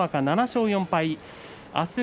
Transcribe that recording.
７勝４敗です。